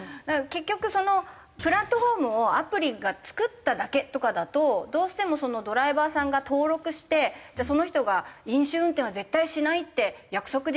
結局そのプラットフォームをアプリが作っただけとかだとどうしてもドライバーさんが登録してじゃあその人が飲酒運転は絶対しないって約束できるのか。